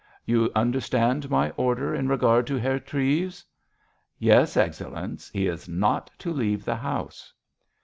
"You understand my order in regard to Herr Treves?" "Yes, Excellenz. He is not to leave the house."